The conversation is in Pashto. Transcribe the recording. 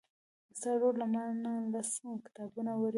ستا ورور له مانه لس کتابونه وړي دي.